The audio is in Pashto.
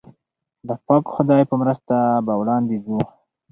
د پاک خدای په مرسته به وړاندې ځو.